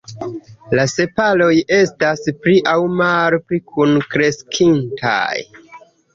La sepaloj estas pli aŭ malpli kunkreskintaj.